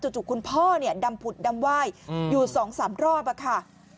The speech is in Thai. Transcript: คุณพ่อเนี่ยดำผุดดำไหว้อยู่๒๓รอบอะค่ะ